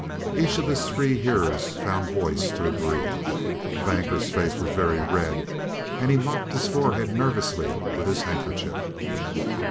Each of his three hearers found voice to agree. The Banker's face was very red, and he mopped his forehead nervously with his handkerchief.